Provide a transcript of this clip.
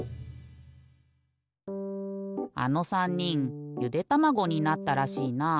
あの３にんゆでたまごになったらしいな。